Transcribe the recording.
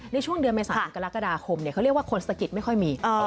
ในช่วงเดือนเมษาถึงกรกฎาคมเขาเรียกว่าคนสะกิดไม่ค่อยมี